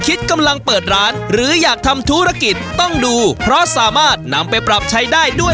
คิดกำลังเปิดร้านหรืออยากทำธุรกิจต้องดูเพราะสามารถนำไปปรับใช้ได้ด้วย